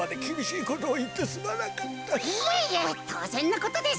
いえいえとうぜんのことです。